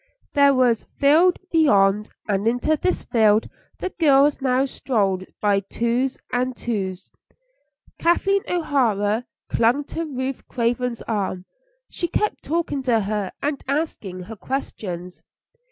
There was a field just beyond, and into this field the girls now strolled by twos and twos. Kathleen O'Hara clung to Ruth Craven's arm; she kept talking to her and asking her questions.